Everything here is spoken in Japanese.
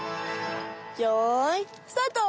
よいスタート！